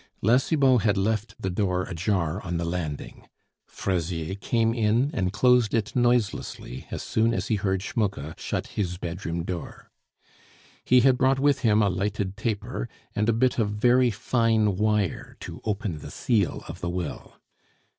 La Cibot had left the door ajar on the landing; Fraisier came in and closed it noiselessly as soon as he heard Schmucke shut his bedroom door. He had brought with him a lighted taper and a bit of very fine wire to open the seal of the will.